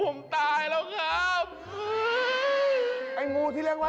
ฮะตายแล้ว